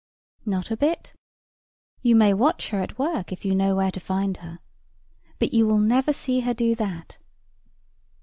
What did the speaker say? Not a bit. You may watch her at work if you know where to find her. But you will never see her do that.